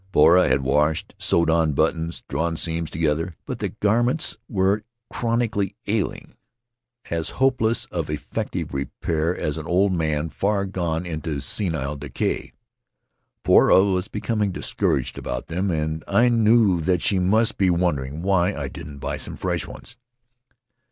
Poura had washed, sewed on buttons, drawn seams together, but the garments were chronically ailing, as hopeless of effective repair as an old man far gone in senile decay. Poura was becoming discouraged about them, and I knew that she must be wondering why I didn't buy some fresh ones.